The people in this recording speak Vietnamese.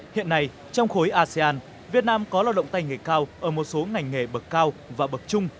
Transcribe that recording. hiện nay trong khối asean việt nam có lao động tay nghề cao ở một số ngành nghề bậc cao và bậc trung